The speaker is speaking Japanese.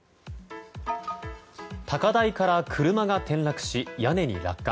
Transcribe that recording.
高台から車が転落し屋根に落下。